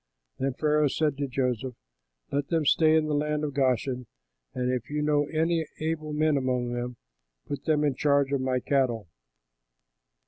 Then Pharaoh said to Joseph, "Let them stay in the land of Goshen; and if you know any able men among them, put them in charge of my cattle."